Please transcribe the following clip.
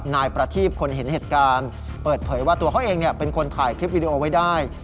นายประทีบคนเห็นเหตุการณ์เปิดเผยว่าตัวเขาเองเป็นคนถ่ายคลิปวิดีโอไว้ได้